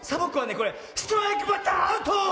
これストライクバッターアウト！